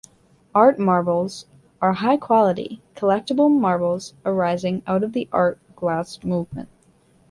Art marbles are high-quality collectible marbles arising out of the art glass movement.